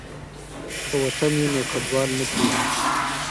که وطن وي نو کډوال نه کیږي.